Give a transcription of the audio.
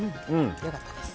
よかったです。